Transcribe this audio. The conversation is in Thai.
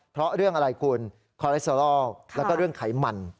เพราะเรื่องอะไรคุณคอเลสเตอรอลแล้วก็เรื่องไขมัน